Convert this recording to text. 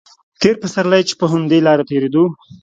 تېر پسرلی چې په همدې لاره تېرېدو.